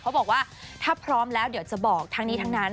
บอกว่าถ้าพร้อมแล้วเดี๋ยวจะบอกทั้งนี้ทั้งนั้น